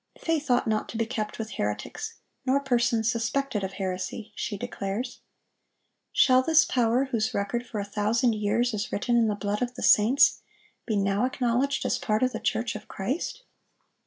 "Faith ought not to be kept with heretics, nor persons suspected of heresy,"(1006) she declares. Shall this power, whose record for a thousand years is written in the blood of the saints, be now acknowledged as a part of the church of Christ?